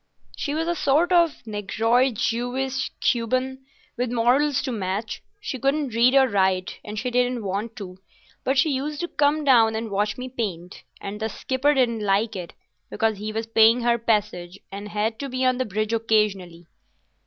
"She was a sort of Negroid Jewess Cuban; with morals to match. She couldn't read or write, and she didn't want to, but she used to come down and watch me paint, and the skipper didn't like it, because he was paying her passage and had to be on the bridge occasionally."